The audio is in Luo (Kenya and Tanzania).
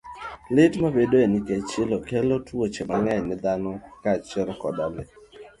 Lit ma bedoe nikech chilo kelo tuoche mang'eny ne dhano koda le.